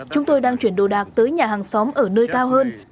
chúng tôi đang chuyển đồ đạc tới nhà hàng xóm ở nơi cao hơn